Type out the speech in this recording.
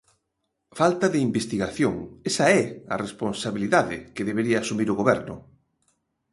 Falta de investigación, esa é a responsabilidade que debería asumir o Goberno.